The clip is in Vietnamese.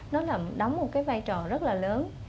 nó đóng một cái vai trò rất là lớn